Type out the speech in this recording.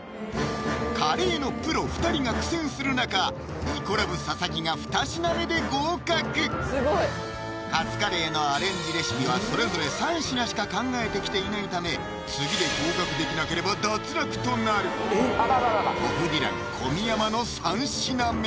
カレーのプロ２人が苦戦する中「イコラブ」・佐々木が２品目で合格カツカレーのアレンジレシピはそれぞれ３品しか考えてきていないため次で合格できなければ脱落となる「ホフディラン」・小宮山の３品目